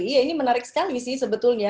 iya ini menarik sekali sih sebetulnya